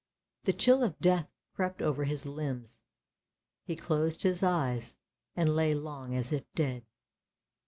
The chill of death crept over his limbs; he closed his eyes and lay long as if dead.